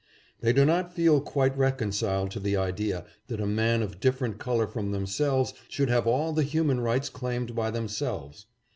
They do not feel quite reconciled to the idea that a man of dif ferent color from themselves should have all the human rights claimed by themselves.